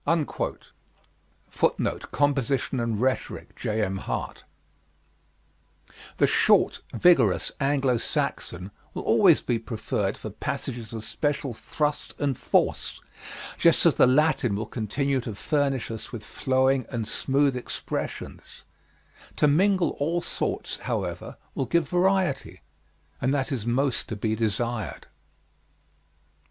" The short, vigorous Anglo Saxon will always be preferred for passages of special thrust and force, just as the Latin will continue to furnish us with flowing and smooth expressions; to mingle all sorts, however, will give variety and that is most to be desired.